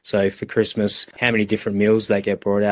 jadi untuk krismas berapa banyak makanan yang berbeda